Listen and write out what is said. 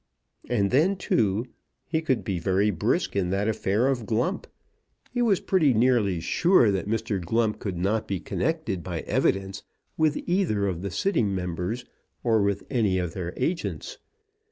And then, too, he could be very brisk in that affair of Glump. He was pretty nearly sure that Mr. Glump could not be connected by evidence with either of the sitting members or with any of their agents.